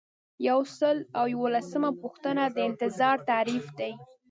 یو سل او یوولسمه پوښتنه د انتظار تعریف دی.